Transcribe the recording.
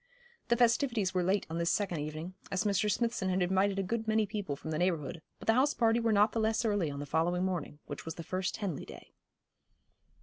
The festivities were late on this second evening, as Mr. Smithson had invited a good many people from the neighbourhood, but the house party were not the less early on the following morning, which was the first Henley day.